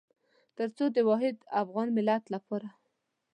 تر څو د واحد افغان ملت لپاره.